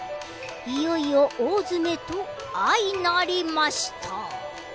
いよいよ大詰めと相成りました。